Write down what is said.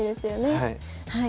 はい。